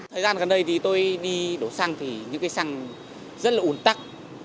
thời gian gần đây thì tôi đi đổ xăng thì những cây xăng rất là ủn tắc